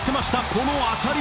この当たり。